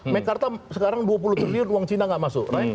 mek kata sekarang dua puluh triliun uang cina gak masuk